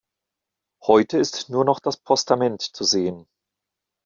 Heute ist nur noch das Postament zu sehen.